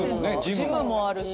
ジムもあるし。